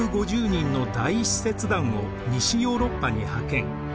２５０人の大使節団を西ヨーロッパに派遣。